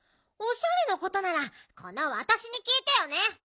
おしゃれのことならこのわたしにきいてよね。